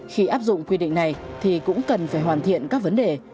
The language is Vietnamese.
khi áp dụng quy định này thì cũng cần phải hoàn thiện các vấn đề